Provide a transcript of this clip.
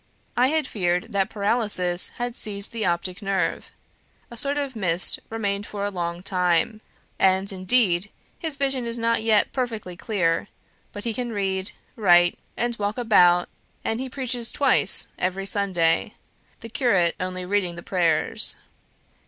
I had feared that paralysis had seized the optic nerve. A sort of mist remained for a long time; and, indeed, his vision is not yet perfectly clear, but he can read, write, and walk about, and he preaches TWICE every Sunday, the curate only reading the prayers.